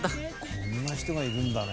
こんな人がいるんだね。